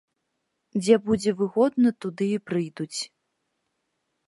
Дзе будзе выгодна туды і прыйдуць.